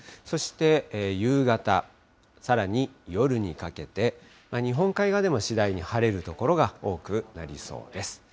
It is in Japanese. そして夕方、さらに夜にかけて、日本海側でも次第に晴れる所が多くなりそうです。